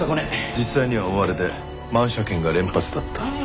実際には大荒れで万車券が連発だった。